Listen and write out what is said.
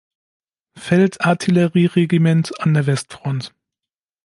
Feldartillerie-Regiment an der Westfront.